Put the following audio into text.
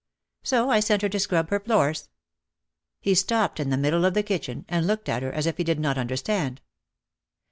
"So I sent her to scrub her floors." He stopped in the middle of the kitchen and looked at her as if he did not understand.